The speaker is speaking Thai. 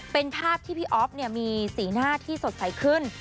เป็นภาพที่พี่อ๊อฟมีสีหน้าที่สดใสขึ้น